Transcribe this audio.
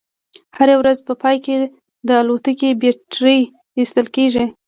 د هرې ورځې په پای کې د الوتکې بیټرۍ ایستل کیږي